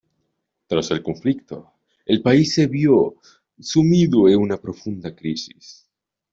Tras el conflicto, el país se vio sumido en una profunda crisis.